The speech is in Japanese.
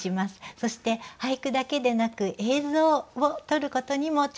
そして俳句だけでなく映像を撮ることにも挑戦してきました。